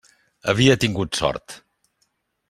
Havia tingut sort.